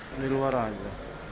pemilu hara ini